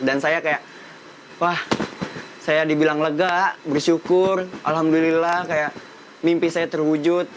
dan saya kayak wah saya dibilang lega bersyukur alhamdulillah kayak mimpi saya terwujud